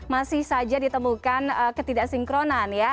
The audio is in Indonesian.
masih saja ditemukan ketidaksinkronan ya